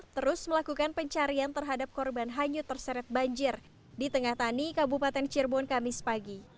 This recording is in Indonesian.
terus melakukan pencarian terhadap korban hanyut terseret banjir di tengah tani kabupaten cirebon kamis pagi